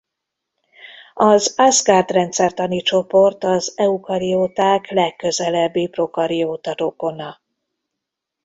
Az Asgard rendszertani csoport az eukarióták legközelebbi prokarióta rokona.